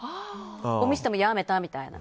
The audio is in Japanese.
ごみ捨てもやめたみたいな。